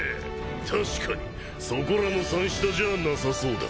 確かにそこらの三下じゃあなさそうだ。